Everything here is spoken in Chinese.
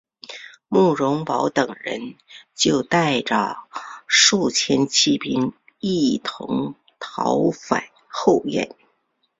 慕容宝等人就带着数千骑兵一同逃返后燕。